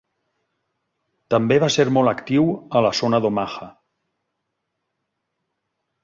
També va ser molt actiu a la zona d'Omaha.